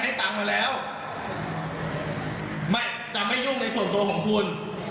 ตังค์มาแล้วไม่จะไม่ยุ่งในส่วนตัวของคุณ